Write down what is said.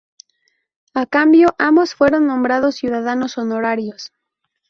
A cambio, ambos fueron nombrados ciudadanos honorarios.